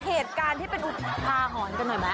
เหตุการณ์ที่เป็นอุทาหรณ์กันหน่อยไหม